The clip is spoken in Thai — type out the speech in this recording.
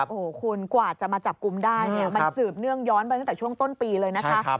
โอ้โหคุณกว่าจะมาจับกลุ่มได้เนี่ยมันสืบเนื่องย้อนไปตั้งแต่ช่วงต้นปีเลยนะคะ